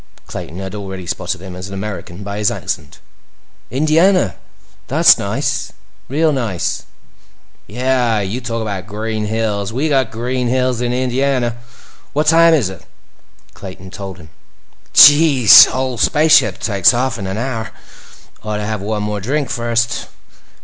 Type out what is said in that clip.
Clayton had already spotted him as an American by his accent. "Indiana? That's nice. Real nice." "Yeah. You talk about green hills, we got green hills in Indiana. What time is it?" Clayton told him. "Jeez krise! Ol' spaship takes off in an hour. Ought to have one more drink first."